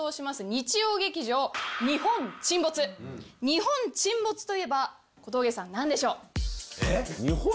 日曜劇場「日本沈没」「日本沈没」といえば小峠さん何でしょうえっ？